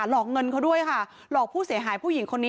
อกเงินเขาด้วยค่ะหลอกผู้เสียหายผู้หญิงคนนี้